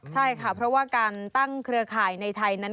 ใช่ค่ะเพราะว่าการตั้งเครือข่ายในไทยนั้น